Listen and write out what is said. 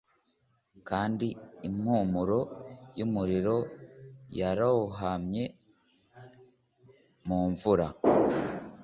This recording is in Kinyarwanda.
Kandi impumuro yumuriro yarohamye mumvura